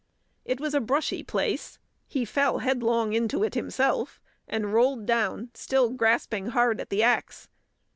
It was a brushy place; he fell headlong into it himself, and rolled down, still grasping hard at the axe.